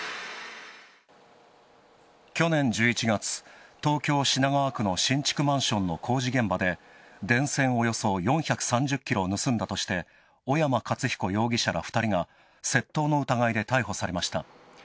去年１１月、東京・品川区の新築マンションの工事現場で電線およそ４３０ｋｇを盗んだとして小山克彦容疑者ら２人が窃盗の疑いで逮捕されました。